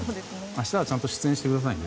明日はちゃんと出演してくださいね。